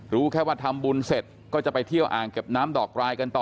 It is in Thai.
รู้แค่ว่าทำบุญเสร็จก็จะไปเที่ยวอ่างเก็บน้ำดอกรายกันต่อ